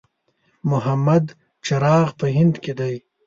محمد چراغ په هند کې دی.